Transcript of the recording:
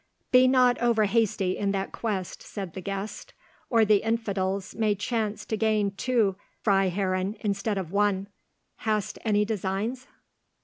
"Be not over hasty in that quest," said the guest, "or the infidels may chance to gain two Freiherren instead of one. Hast any designs?"